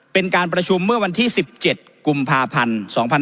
เป็นการประชุมเมื่อวันที่๑๗กุมภาพันธ์๒๕๖๒